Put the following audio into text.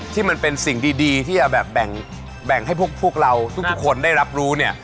ที่มันเป็นสิ่งดีที่จะแบบแบ่งให้พวกเราทุกคนได้รับรู้เนี่ย